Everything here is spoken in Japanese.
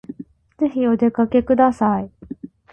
ぜひお出かけください